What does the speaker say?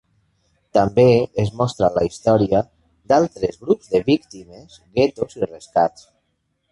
També es mostra la història d'altres grups de víctimes, guetos i rescats.